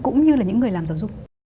cũng như là những người làm giáo dục